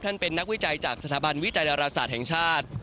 เป็นนักวิจัยจากสถาบันวิจัยดาราศาสตร์แห่งชาติ